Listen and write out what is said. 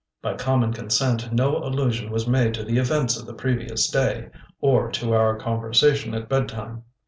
By common consent no allusion was made to the events of the previous day, or to our conversation at bedtime.